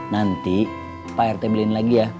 nanti pak rt belin lagi ya